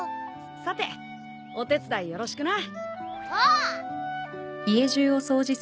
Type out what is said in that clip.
さてお手伝いよろしくな。